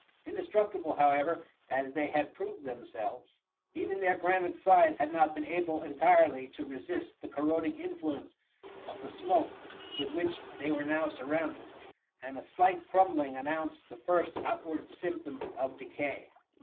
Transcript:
"" Indestructible, how ever, as they had proved themselves, even their granite sides had not been able entirely to resist the corroding influence of the smoke with which they were now surrounded, and a slight crumbling announced the first outward symp tom of decay.